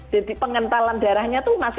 jadi pengentalan darahnya masih